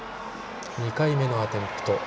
２回目のアテンプト。